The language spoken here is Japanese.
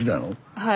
はい。